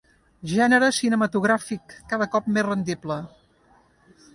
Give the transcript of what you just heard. Gènere cinematogràfic cada cop més rendible.